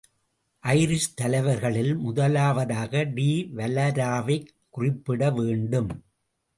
Irish தலைவர்களில் முதலாவதாக De வலராவைக் குறிப்பிடவேண்டும்.